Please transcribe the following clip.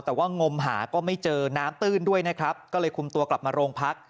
แต่ว่างมหาก็ไม่เจอน้ำตื้นด้วยนะครับก็เลยคุมตัวกลับมาโรงพัก